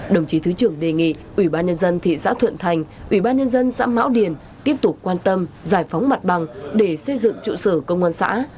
đồng chí thứ trưởng đề nghị ủy ban nhân dân thị xã thuận thành ủy ban nhân dân xã mão điền tiếp tục quan tâm giải phóng mặt bằng để xây dựng trụ sở công an xã